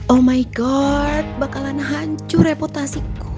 oh my god bakalan hancur reputasiku